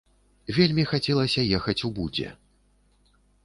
Вельмі хацелася ехаць у будзе.